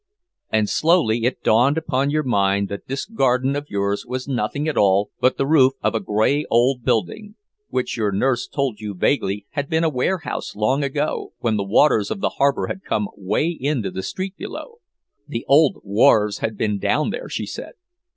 And slowly it dawned upon your mind that this garden of yours was nothing at all but the roof of a gray old building which your nurse told you vaguely had been a "warehouse" long ago when the waters of the harbor had come 'way in to the street below. The old "wharves" had been down there, she said.